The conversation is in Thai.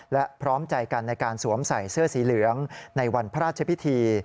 และพร้อมใจกันในการสวมใส่เสื้อสีเหลืองในวันพระราชพิธี